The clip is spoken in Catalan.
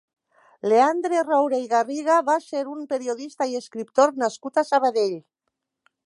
Leandre Roura i Garriga va ser un periodista i escriptor nascut a Sabadell.